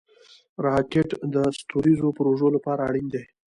راکټ د ستوریزو پروژو لپاره اړین دی